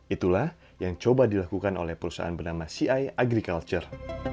itulah yang coba dilakukan oleh perusahaan bernama ci agriculture